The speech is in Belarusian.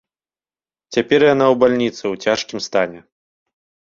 Цяпер яна ў бальніцы ў цяжкім стане.